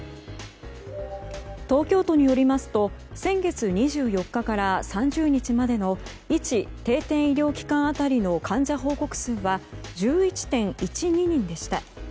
東京都によりますと先月２４日から３０日までの１定点医療機関当たりの患者報告数は１１．１２人でした。